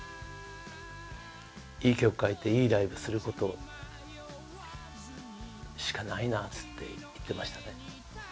「いい曲書いていいライブすることしかないな」つって言ってましたね。